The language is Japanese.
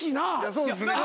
そうですね。